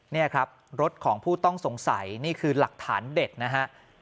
นี่ครับรถของผู้ต้องสงสัยนี่คือหลักฐานเด็ดนะฮะ